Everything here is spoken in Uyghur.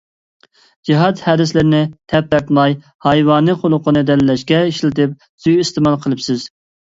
جىھاد ھەدىسلىرىنى تەپتارتماي ھايۋانىي خۇلقىنى دەلىللەشكە ئىشلىتىپ سۇيىئىستېمال قىلىپسىز.